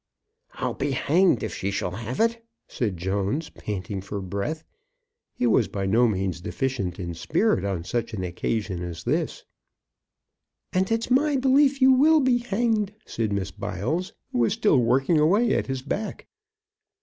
"I'll be hanged if she shall have it!" said Jones, panting for breath. He was by no means deficient in spirit on such an occasion as this. "And it's my belief you will be hanged," said Miss Biles, who was still working away at his back.